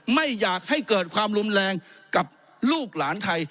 ไม่อยากให้เกิดความรุนแรงกับลูกหลานไทย